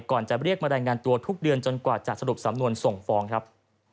จะเรียกมารายงานตัวทุกเดือนจนกว่าจะสรุปสำนวนส่งฟ้องครับ